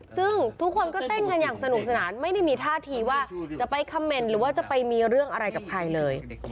ซึ่งทุกคนก็เต้นกันอย่างสนุกสนานไม่ได้มีท่าทีว่าจะไปคอมเมนต์หรือว่าจะไปมีเรื่องอะไรกับใครเลย